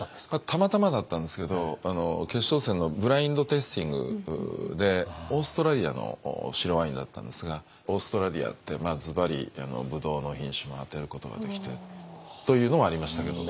たまたまだったんですけど決勝戦のブラインドテイスティングでオーストラリアの白ワインだったんですがオーストラリアってずばりブドウの品種も当てることができてというのはありましたけど。